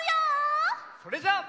それじゃあ。